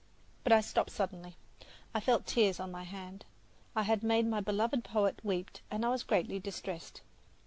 But I stopped suddenly. I felt tears on my hand. I had made my beloved poet weep, and I was greatly distressed.